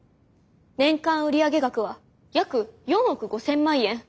年間売上額は約４億５，０００万円。